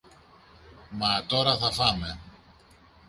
Μα τώρα θα φάμε!